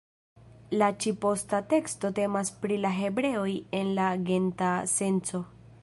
La ĉi-posta teksto temas pri la hebreoj en la genta senco.